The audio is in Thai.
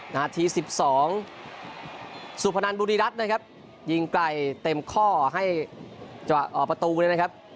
นาที๑๒สุพนันบุรีรัตน์นะครับยิงไกลเต็มข้อให้จังหวะออกประตูเลยนะครับ